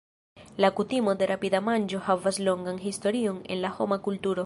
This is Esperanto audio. La kutimo de rapida manĝo havas longan historion en la homa kulturo.